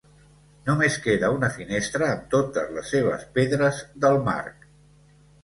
Només queda una finestra amb totes les seves pedres del marc.